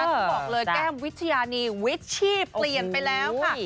ต้องบอกเลยแก้มวิทยานีวิชชี่เปลี่ยนไปแล้วค่ะ